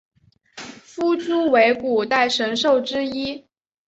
夫诸为古代神兽之一。